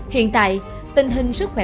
hiện tại tình hình sức khỏe